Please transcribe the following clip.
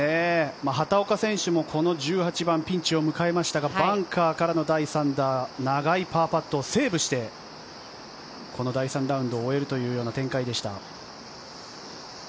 畑岡選手もこの１８番ピンチを迎えましたがバンカーからの第３打長いパーパットをセーブしてこの第３ラウンドを終えるという展開でした。